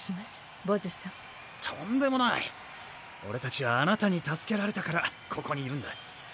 俺たちはあなたに助けられたからここにいるんだ。